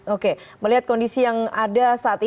oke melihat kondisi yang ada saat ini